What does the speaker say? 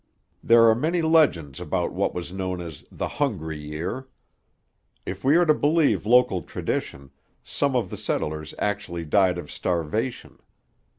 There are many legends about what was known as 'the hungry year.' If we are to believe local tradition, some of the settlers actually died of starvation.